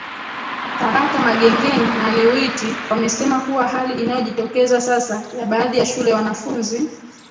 tabata Magengeni na Liwiti wamesema kuwa hali inayojitokeza sasa ya baadhi ya shule wanafunzi